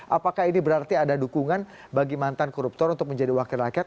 apakah ini berarti ada dukungan bagi mantan koruptor untuk menjadi wakil rakyat